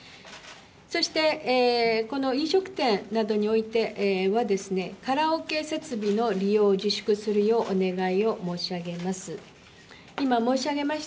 そして、この飲食店などにおいては、カラオケ設備の利用を自粛するようお願いを申し上げます。